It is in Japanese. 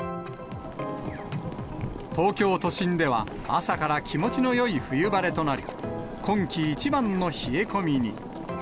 東京都心では、朝から気持ちのよい冬晴れとなり、今季一番の冷え込みに。